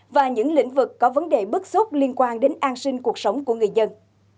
và những lĩnh vực có vấn đề bức xúc liên quan đến an sinh cuộc sống của người dân